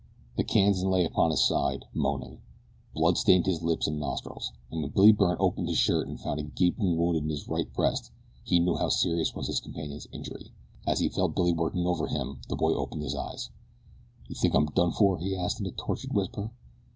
The Kansan lay upon his side, moaning. Blood stained his lips and nostrils, and when Billy Byrne opened his shirt and found a gaping wound in his right breast he knew how serious was his companion's injury. As he felt Billy working over him the boy opened his eyes. "Do you think I'm done for?" he asked in a tortured whisper.